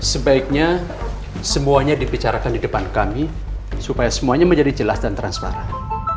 sebaiknya semuanya dibicarakan di depan kami supaya semuanya menjadi jelas dan transparan